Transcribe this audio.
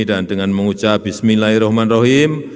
dan dengan mengucap bismillahirrahmanirrahim